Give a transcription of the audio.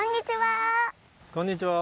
こんにちは！